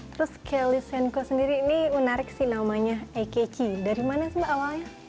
terus kelly sanko sendiri ini menarik sih namanya ekeci dari mana sih awalnya